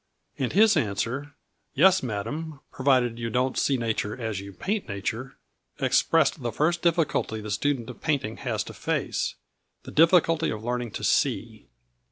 And his answer, "Yes, madam, provided you don't see nature as you paint nature," expressed the first difficulty the student of painting has to face: the difficulty of learning to see.